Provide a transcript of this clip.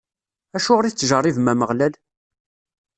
Acuɣer i tettjeṛṛibem Ameɣlal?